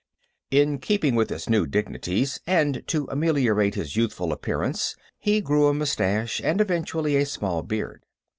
In keeping with his new dignities, and to ameliorate his youthful appearance, he grew a mustache and, eventually, a small beard.